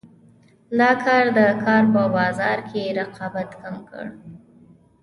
دا کار د کار په بازار کې رقابت کم کړ.